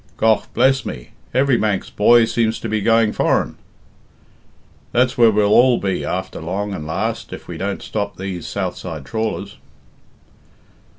"Gough, bless me, every Manx boy seems to be going foreign." "That's where we'll all be after long and last, if we don't stop these southside trawlers."